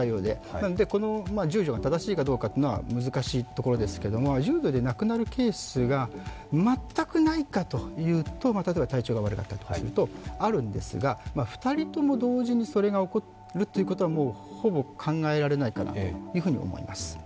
なので、１０錠が正しいかどうかというのは難しいところですが１０錠で亡くなるケースが全くないかというと例えば体調が悪かったりするとあるんですが、２人とも同時にそれが起こるということは、もうほぼ考えられないかなというふうに思います。